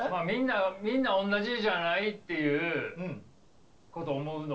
みんな同じじゃないっていうことを思うのか。